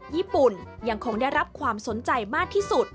ญี่ปุ่นยังคงได้รับความสนใจมากที่สุด